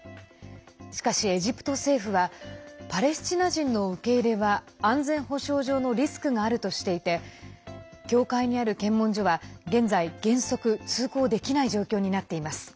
しかし、エジプト政府はパレスチナ人の受け入れは安全保障上のリスクがあるとしていて境界にある検問所は現在、原則通行できない状況になっています。